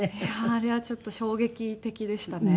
あれはちょっと衝撃的でしたね。